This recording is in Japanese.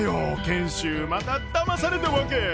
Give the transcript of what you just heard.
賢秀まただまされたわけ！